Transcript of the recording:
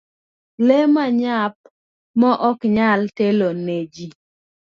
Lee manyap ma ok nyal telo ne ji.